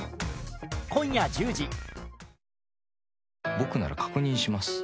僕なら確認します。